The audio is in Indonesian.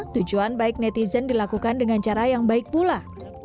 tujuan baik netizen dilakukan dengan cara yang baik pula